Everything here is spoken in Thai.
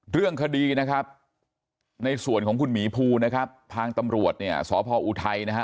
เรื่องคดีนะครับในส่วนของคุณหมีภูนะครับทางตำรวจเนี่ยสพออุทัยนะฮะ